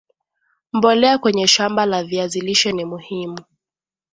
mbolea kwenye shamba la viazi lishe ni muhimu